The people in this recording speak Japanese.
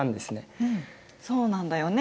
そうなんだよね。